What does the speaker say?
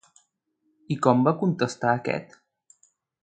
I com va contestar aquest?